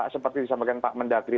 seperti disampaikan pak mendagri